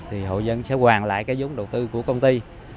thì hộ dân sẽ hoàn lại cái giống đầu tư của công ty